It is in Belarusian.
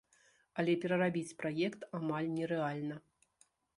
Але перарабіць праект амаль нерэальна.